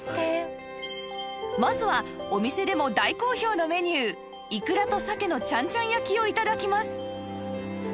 まずはお店でも大好評のメニューいくらと鮭のちゃんちゃん焼きを頂きます